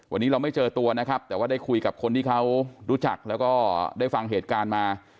วันนี้เราไม่เจอตัวนะครับแต่ว่าได้คุยกับคนที่เขารู้จักแล้วก็ได้ฟังเหตุการณ์มา